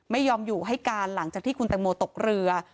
ไม่ยอมอยู่ให้การหลังจากที่คุณแตงโมตกเรือ